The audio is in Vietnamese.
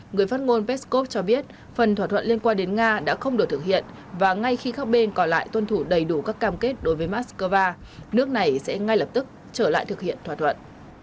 người phát ngôn peskov cho biết phần thỏa thuận liên quan đến nga đã không được thực hiện và ngay khi các bên còn lại tuân thủ đầy đủ các cam kết đối với moscow nước này sẽ ngay lập tức trở lại thực hiện thỏa thuận